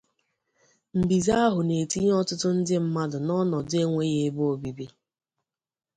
mbize ahụ na-tinye ọtụtụ ndị mmadụ n'ọnọdụ enweghị ebe obibi